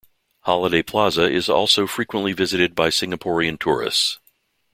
Holiday Plaza is also frequently visited by Singaporean tourists.